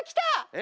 え？